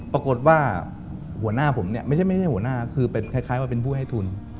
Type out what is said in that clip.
ปรากฏว่าหัวหน้าผมเนี่ยไม่ใช่หัวหน้าคือเป็นคล้ายว่าเป็นผู้ให้ทุน